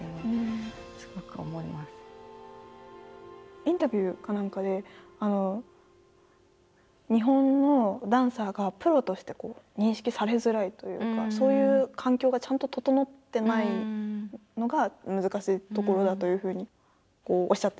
インタビューか何かで日本のダンサーがプロとして認識されづらいというかそういう環境がちゃんと整ってないのが難しいところだというふうにおっしゃってたと思うんですけど。